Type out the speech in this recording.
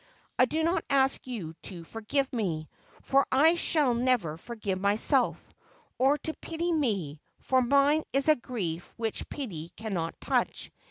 I do not ask you to for give me, for I shall never forgive myself ; or to pity me, for mine is a grief which pity cannot touch.